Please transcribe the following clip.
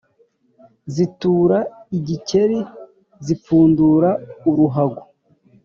» zitura igikeri, zipfundura uruhago,